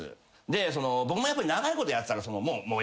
で僕もやっぱり長いことやってたら。